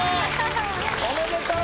おめでとう！